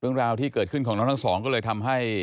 เรื่องราวที่เกิดขึ้นของน้องทั้งสองก็เลยทำให้